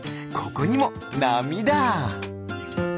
ここにもなみだ！